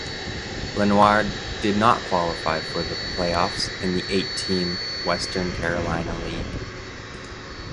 Lenoir did not qualify for the playoffs in the eight–team Western Carolina League.